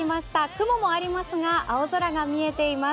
雲もありますが青空が見えています。